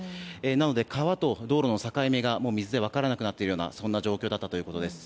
なので川と道路の境目が水で分からなくなっているようなそんな状況だったということです。